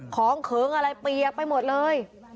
เขิงอะไรเปียกไปหมดเลย